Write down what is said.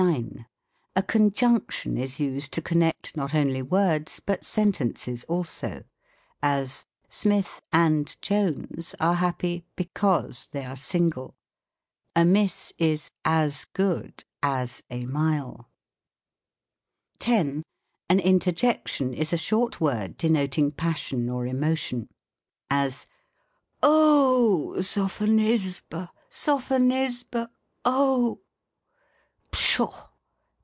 9. A Conjunction is used to connect not only words, but sentences also : as. Smith and Jones are happy be cause they are single. A miss is a^rgood ae a mile EIKCLE BLESSEDNESS 24 THE COMIC ENGLISH GRAMMAR. 10. An Interjection is a short word denoting passion or emotion: as, ' Oh, Sophonisba T Sophonisba, oh!" Pshaw!